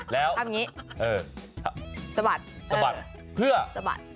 แล้วสะบัดสะบัดเพื่อสะบัด